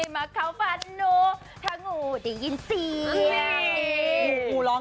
มาคาวฟันหนูท่านงูดินเสียง